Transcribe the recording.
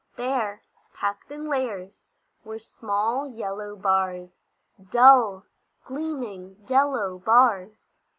There, packed in layers, were small yellow bars; dull, gleaming, yellow bars!